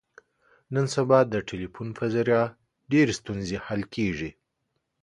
نن سبا د ټلیفون په ذریعه ډېرې ستونزې حل کېږي.